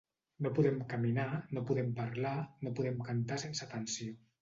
No podem caminar, no podem parlar, no podem cantar sense tensió.